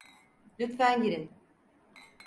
Lütfen girin.